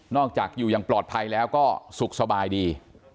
จากอยู่อย่างปลอดภัยแล้วก็สุขสบายดี